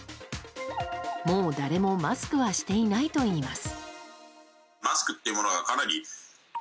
もう誰もマスクはしていないといいます。